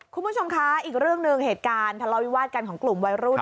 คุณผู้ชมคะอีกเรื่องหนึ่งเหตุการณ์ทะเลาวิวาสกันของกลุ่มวัยรุ่น